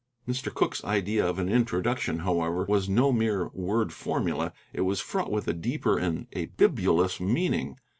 Mr. Cooke's idea of an introduction, however, was no mere word formula: it was fraught with a deeper and a bibulous meaning.